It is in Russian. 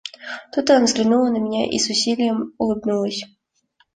Тут она взглянула на меня и с усилием улыбнулась.